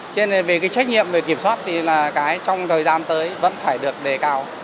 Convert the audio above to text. cho nên về cái trách nhiệm về kiểm soát thì là cái trong thời gian tới vẫn phải được đề cao